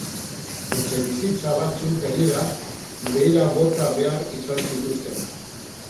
Etxebizitza batzuk gainera, behera bota behar izan zituzten.